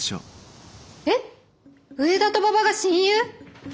えっ上田と馬場が親友！？